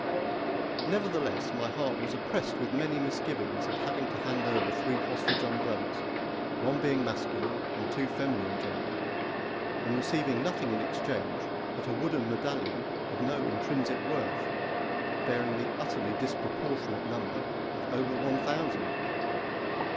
Nevertheless, my heart was oppressed with many misgivings at having to hand over three hostage umbrellas one being masculine and two feminine gender and receiving nothing in exchange but a wooden medallion of no intrinsic worth, bearing the utterly disproportionate number of over one thousand!